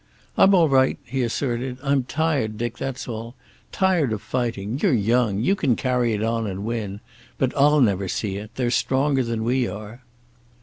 "I'm all right," he asserted. "I'm tired, Dick, that's all. Tired of fighting. You're young. You can carry it on, and win. But I'll never see it. They're stronger than we are."